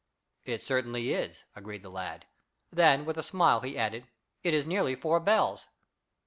"It certainly is," agreed the lad. Then, with a smile he added: "It is nearly four bells."